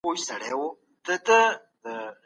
هغه سړی تر موږ ډېر کلونه پخوا دلته راغلی و.